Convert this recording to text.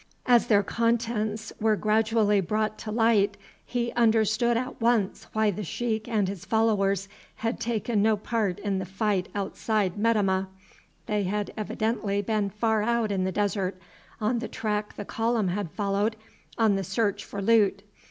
As their contents were gradually brought to light, he understood at once why the sheik and his followers had taken no part in the fight outside Metemmeh. They had evidently been far out in the desert, on the track the column had followed, on the search for loot.